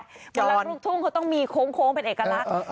เวลาลูกทุ่งเขาต้องมีโค้งเป็นเอกลักษณ์